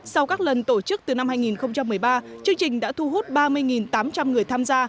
sau các lần tổ chức từ năm hai nghìn một mươi ba chương trình đã thu hút ba mươi tám trăm linh người tham gia